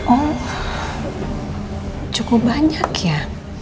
oh cukup banyak ya